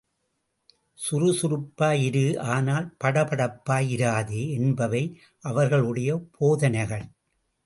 சுறுசுறுப்பாய் இரு ஆனால் படபடப்பாய் இராதே என்பவை அவர்களுடைய போதனைகள்.